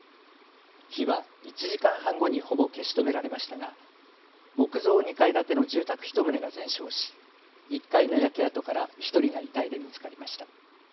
火は１時間半後にほぼ消し止められましたが木造２階建ての住宅１棟が全焼し１階の焼け跡から１人が遺体で見つかりました。